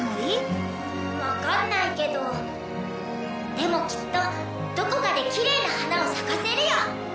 うんわかんないけどでもきっとどこかできれいな花を咲かせるよ！